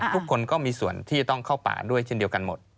ทุกคนก็มีส่วนที่จะต้องเข้าป่าด้วยเช่นเดียวกันหมด